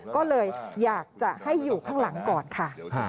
ก็เลยอยากจะให้อยู่ข้างหลังก่อนค่ะ